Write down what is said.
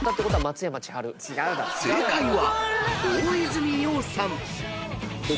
［正解は］